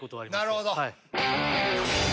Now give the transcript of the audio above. なるほど。